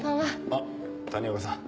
あっ谷岡さん